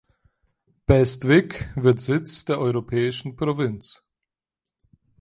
Bestwig wird Sitz der Europäischen Provinz.